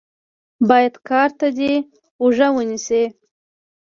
بايد کار ته دې اوږه ونيسې.